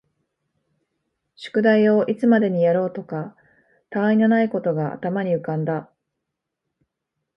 宿題をいつまでにやろうかとか、他愛のないことが頭に浮んだ